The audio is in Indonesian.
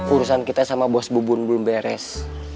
urusan kita sama bos bubun bulun beres